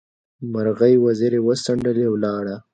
مرغۍ وزرې وڅنډلې؛ ولاړه.